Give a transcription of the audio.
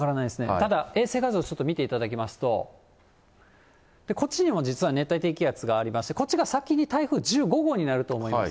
ただ、衛星画像をちょっと見ていただきますと、こっちにも実は熱帯低気圧がありまして、こっちが先に台風１５号になると思います。